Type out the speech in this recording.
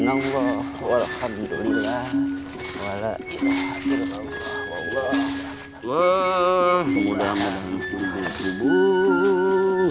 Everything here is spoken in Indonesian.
warahmatullah walaikumsalam allah allah allah mudah mudahan ibu ibu